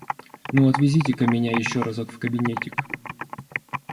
Ну, отвезите-ка меня еще разок в кабинетик.